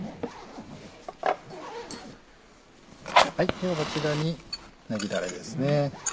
ではこちらにねぎダレですね。